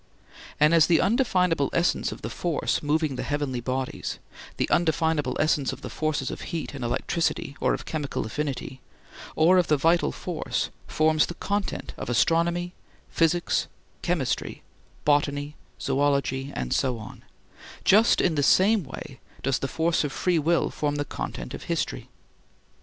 And as the undefinable essence of the force moving the heavenly bodies, the undefinable essence of the forces of heat and electricity, or of chemical affinity, or of the vital force, forms the content of astronomy, physics, chemistry, botany, zoology, and so on, just in the same way does the force of free will form the content of history.